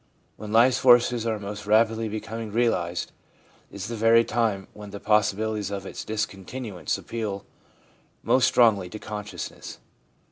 When life's forces are most rapidly becom ing realised is the very time when the possibilities of its discontinuance appeal most strongly to consciousness.